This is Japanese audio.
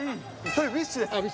それ、ウィッシュです。